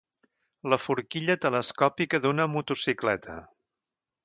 La forquilla telescòpica d'una motocicleta.